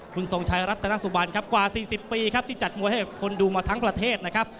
คุณทรงชัยรัตนสุบันครับกว่า๔๐ปีครับที่จัดมวยให้กับคนดูมาทั้งประเทศนะครับ